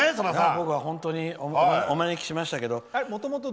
僕は本当にお招きしましたけど。